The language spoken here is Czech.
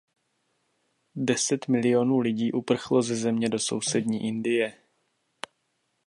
Deset milionů lidí uprchlo ze země do sousední Indie.